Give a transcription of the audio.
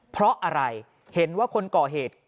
เพราะอะไรเห็นว่าคนก่อเหตุ